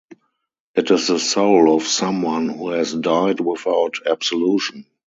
It is the soul of someone who has died without absolution.